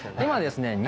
今ですね